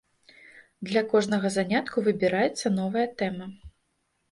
Для кожнага занятку выбіраецца новая тэма.